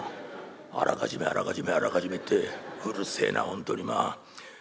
あらかじめあらかじめあらかじめってうるせえな本当にまあ」。